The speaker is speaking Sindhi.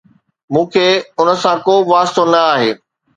؟ مون کي ان سان ڪو به واسطو نه آهي